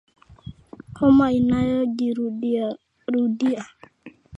Homa inayojirudiarudia